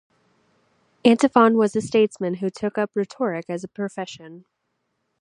Antiphon was a statesman who took up rhetoric as a profession.